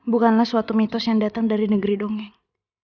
bukanlah suatu mitos yang datang dari negeri dongeng